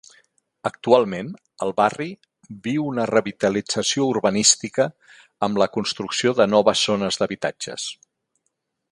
Actualment, el barri viu una revitalització urbanística amb la construcció de noves zones d'habitatges.